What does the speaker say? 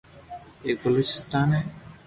ايڪ بلوچستان ھي